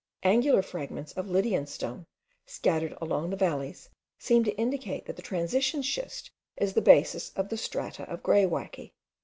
Angular fragments of Lydian stone, scattered along the valleys, seemed to indicate that the transition schist is the basis of the strata of greywacke.